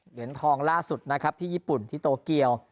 เหรียญทองล่าสุดนะครับที่ญี่ปุ่นที่โตเกียว